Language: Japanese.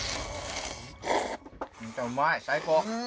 うまい最高。